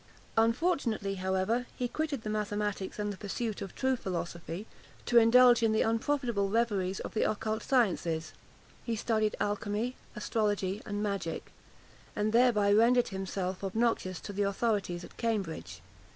Unfortunately, however, he quitted the mathematics and the pursuits of true philosophy, to indulge in the unprofitable reveries of the occult sciences. He studied alchymy, astrology, and magic, and thereby rendered himself obnoxious to the authorities at Cambridge.